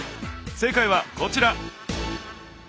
正解はこちら。